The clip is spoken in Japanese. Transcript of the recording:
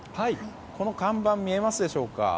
この看板、見えますでしょうか。